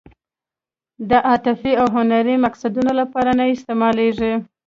د عاطفي او هنري مقصدونو لپاره نه استعمالېږي.